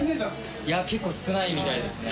い結構少ないみたいですね。